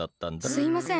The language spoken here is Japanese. すいません